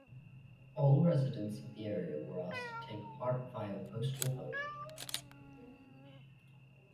All residents of the area were asked to take part via a postal vote.